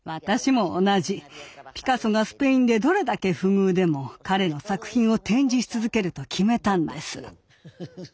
ピカソがスペインでどれだけ不遇でも彼の作品を展示し続けると決めたんです。